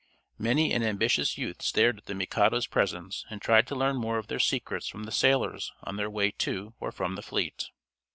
Many an ambitious youth stared at the Mikado's presents, and tried to learn more of their secrets from the sailors on their way to or from the fleet.